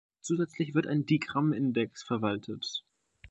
Zusätzlich wird ein Digramm-Index verwaltet.